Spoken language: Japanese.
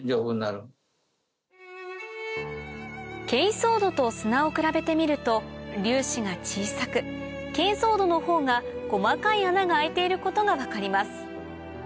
珪藻土と砂を比べてみると粒子が小さく珪藻土のほうが細かい穴が開いていることが分かります